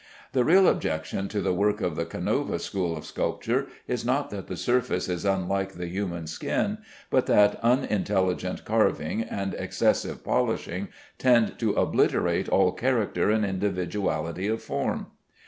The real objection to the work of the Canova school of sculpture is not that the surface is unlike the human skin, but that unintelligent carving and excessive polishing tend to obliterate all character and individuality of form.